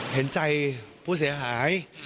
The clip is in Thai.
เห็นใจผู้เสียหาย